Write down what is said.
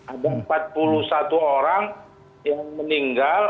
ada empat puluh satu orang yang meninggal